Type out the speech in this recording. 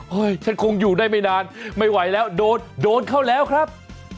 ฉันคงอยู่ได้ไม่นานไม่ไหวแล้วโดนโดนเข้าแล้วครับ